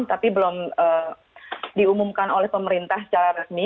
tapi belum diumumkan oleh pemerintah secara resmi